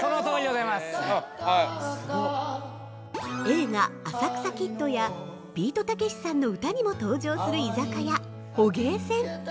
◆映画「浅草キッド」やビートたけしさんの歌にも登場する居酒屋「捕鯨船」